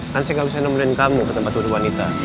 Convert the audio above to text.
kan saya nggak usah nemenin kamu ke tempat tuan wanita